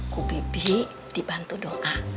ku bibi dibantu doa